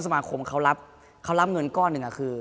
สมาคมเขารับเขารับเงินก้อนหนึ่งคือ